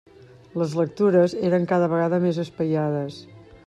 Les lectures eren cada vegada més espaiades.